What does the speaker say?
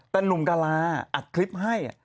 แต่หนุ่มกะลาอัดคลิปให้